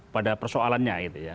pada persoalannya itu ya